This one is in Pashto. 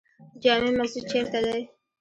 جامع مسجد چیرته دی؟